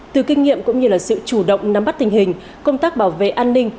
từ kinh nghiệm cũng như sự chủ động nắm bắt tình hình công tác bảo vệ an ninh